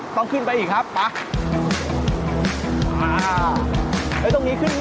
ต้องขึ้นไปอีกครับไปอ่า